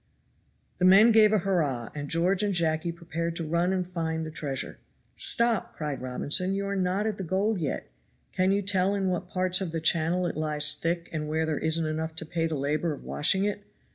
The men gave a hurrah, and George and Jacky prepared to run and find the treasure. "Stop," cried Robinson, "you are not at the gold yet. Can you tell in what parts of the channel it lies thick and where there isn't enough to pay the labor of washing it?